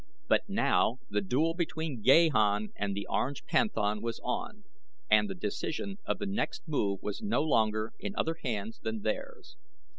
But now the duel between Gahan and the Orange Panthan was on and the decision of the next move was no longer in other hands than theirs.